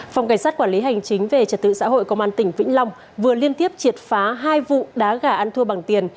phòng cảnh sát quản lý hành chính về trật tự xã hội công an tỉnh vĩnh long vừa liên tiếp triệt phá hai vụ đá gà ăn thua bằng tiền